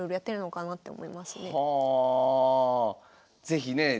是非ねえ